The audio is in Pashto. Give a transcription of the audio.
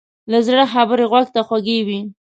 له زړه خبرې غوږ ته خوږې وي.